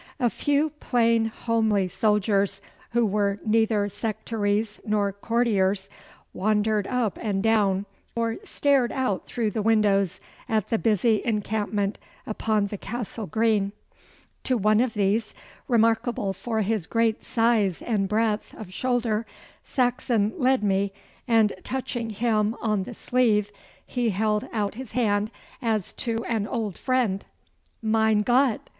A few plain homely soldiers, who were neither sectaries nor courtiers, wandered up and down, or stared out through the windows at the busy encampment upon the Castle Green. To one of these, remarkable for his great size and breadth of shoulder, Saxon led me, and touching him on the sleeve, he held out his hand as to an old friend. 'Mein Gott!